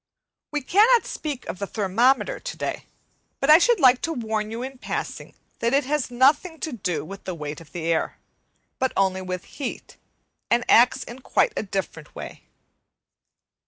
We cannot speak of the thermometer today, but I should like to warn you in passing that it has nothing to do with the weight of the air, but only with heat, and acts in quite a different way.